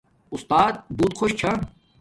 اُستات بوت خوش چھا